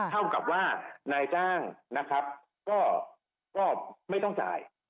เท่ากับว่านายจ้างนะครับก็ไม่ต้องจ่าย